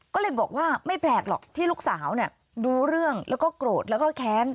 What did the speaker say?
ก็เลยบอกว่าไม่แปลกหรอกที่ลูกสาวรู้เรื่องแล้วก็โกรธแล้วก็แค้น